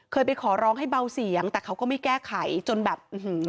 ไปขอร้องให้เบาเสียงแต่เขาก็ไม่แก้ไขจนแบบอื้อหือ